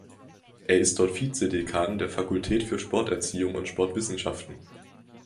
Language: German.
Er ist dort Vize-Dekan der Fakultät für Sporterziehung und Sportwissenschaften.